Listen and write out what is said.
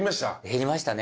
減りましたね。